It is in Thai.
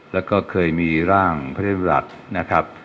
แล้วก็เคยมีร่างพระเทพรัฐนะครับ